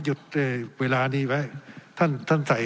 สับขาหลอกกันไปสับขาหลอกกันไป